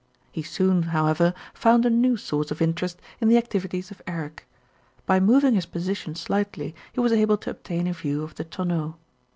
He soon, however, found a new source of interest in the activities of Eric. By moving his position slightly, he was able to obtain a view of the tonneau.